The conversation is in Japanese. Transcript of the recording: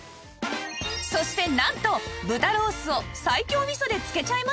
そしてなんと豚ロースを西京味噌で漬けちゃいました